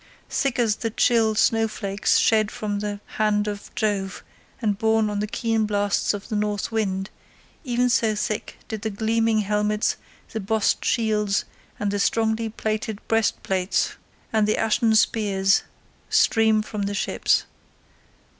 Thick as the chill snow flakes shed from the hand of Jove and borne on the keen blasts of the north wind, even so thick did the gleaming helmets, the bossed shields, the strongly plated breastplates, and the ashen spears stream from the ships.